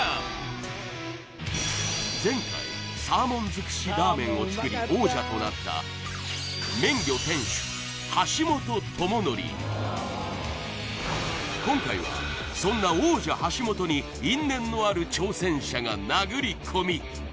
前回サーモンづくしラーメンを作り王者となった今回はそんな王者・橋本に因縁のある挑戦者が殴り込み